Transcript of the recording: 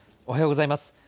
おはようございます。